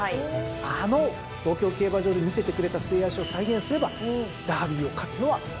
あの東京競馬場で見せてくれた末脚を再現すればダービーを勝つのはこの馬ではないかと。